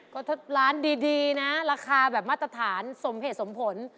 ก็ถ้าร้านดีนะราคาแบบมาตรฐานสมเหตุสมผล